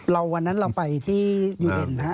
เราวันนั้นเราไปที่ยูเอ็นนะ